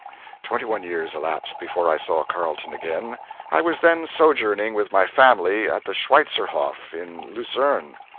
Twenty one years elapsed before I saw Carleton again. I was then sojourning with my family at the Schweitzerhof, in Luzerne.